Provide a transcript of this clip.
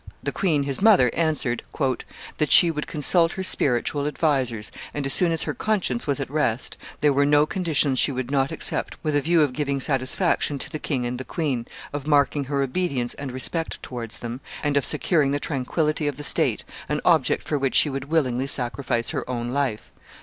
The queen, his mother, answered, "That she would consult her spiritual advisers, and, as soon as her conscience was at rest, there were no conditions she would not accept with a view of giving satisfaction to the king and the queen, of marking her obedience and respect towards them, and of securing the tranquillity of the state, an object for which she would willingly sacrifice her own life.